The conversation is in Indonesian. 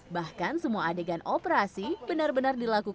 bahkan semua adegan operasi benar benar dilakukan